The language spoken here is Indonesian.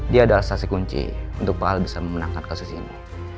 dia adalah stasi kunci untuk pak al bisa memenangkan ke sisi ini